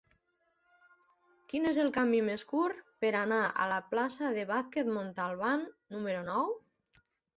Quin és el camí més curt per anar a la plaça de Vázquez Montalbán número nou?